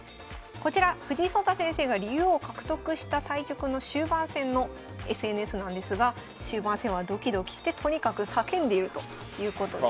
こちら藤井聡太先生が竜王獲得した対局の終盤戦のＳＮＳなんですが終盤戦はドキドキしてとにかく叫んでいるということです。